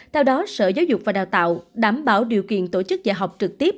theo đó sở giáo dục và đào tạo đảm bảo điều kiện tổ chức dạy học trực tiếp